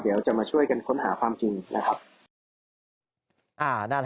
เดี๋ยวจะมาช่วยกันค้นหาความจริงนะครับ